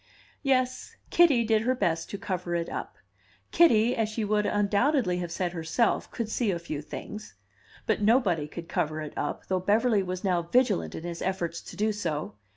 Yes, Kitty did her best to cover it up; Kitty, as she would undoubtedly have said herself, could see a few things. But nobody could cover it up, though Beverly was now vigilant in his efforts to do so.